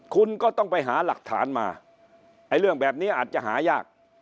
คุณก็ต้องไปหาหลักฐานมาไอ้เรื่องแบบนี้อาจจะหายาก